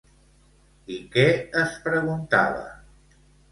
I què es preguntava?